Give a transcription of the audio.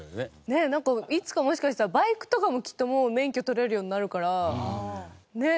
いつかもしかしたらバイクとかもきっともう免許取れるようになるからねえ